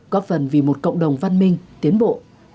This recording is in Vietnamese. góp phần vì một cộng đồng văn minh tiến bộ